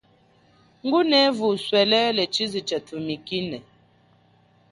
Ngunevu uswelele chize cha tumikine.